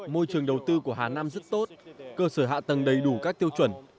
môi trường đầu tư của hà nam rất tốt cơ sở hạ tầng đầy đủ các tiêu chuẩn